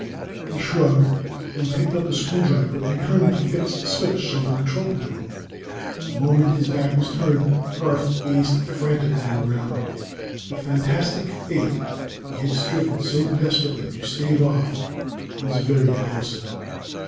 He shrugged, then picked up a screwdriver and turned to fix the switch on the control panel. The moment his back was turned, Garth gazed frantically around. The fantastic fate he had striven so desperately to stave off was very close now.